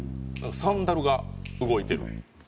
サンダルが動いてる。